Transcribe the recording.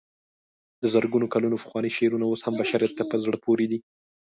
د زرګونو کلونو پخواني شعرونه اوس هم بشریت ته په زړه پورې دي.